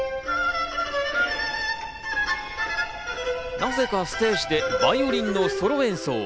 なぜかステージでバイオリンのソロ演奏。